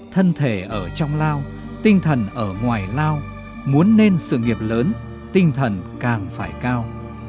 thân thể ở trong lao tinh thần ở ngoài lao muốn nên sự nghiệp lớn tinh thần càng phải cao